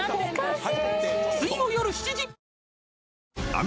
はい。